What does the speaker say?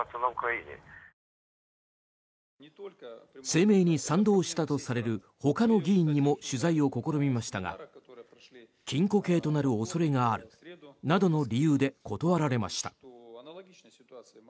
声明に賛同したとされるほかの議員にも取材を試みましたが禁錮刑となる恐れがあるなどの理由で断られました。